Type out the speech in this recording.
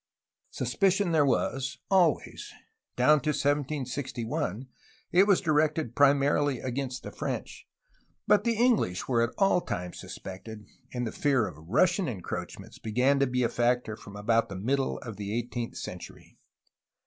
Suspicion there was, always. Down to 1761 it was directed primarily against the French, but the English were at all times suspected, and the fear of Russian encroachments began to be a factor from about the middle of the eighteenth century.